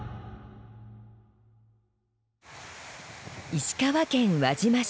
石川県輪島市。